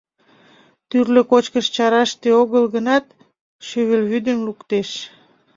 Тӱрлӧ кочкыш чараште огыл гынат, шӱвылвӱдым луктеш.